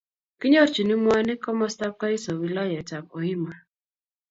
kinyorchini mwanik komostab kaiso wilayetab Hoima.